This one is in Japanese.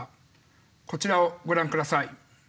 こちらをご覧下さい。